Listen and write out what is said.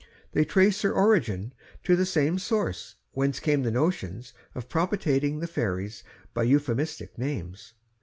They trace their origin to the same source whence come the notions of propitiating the fairies by euphemistic names.